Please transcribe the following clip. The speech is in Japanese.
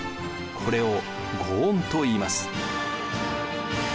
これを御恩といいます。